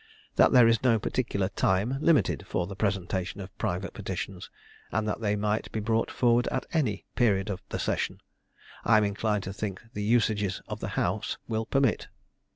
That there is no particular time limited for the presentation of private petitions, and that they might be brought forward at any period of the session, I am inclined to think the usages of the house will permit.